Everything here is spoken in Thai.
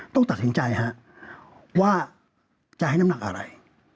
ต้องตัดสินใจฮะว่าจะให้น้ำหนักอะไร